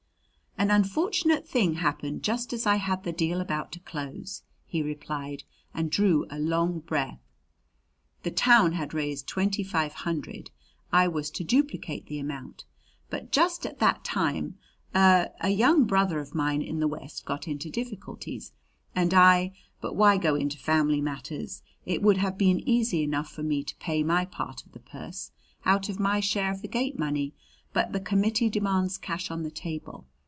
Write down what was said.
"An unfortunate thing happened just as I had the deal about to close," he replied, and drew a long breath. "The town had raised twenty five hundred. I was to duplicate the amount. But just at that time a a young brother of mine in the West got into difficulties, and I but why go into family matters? It would have been easy enough for me to pay my part of the purse out of my share of the gate money; but the committee demands cash on the table.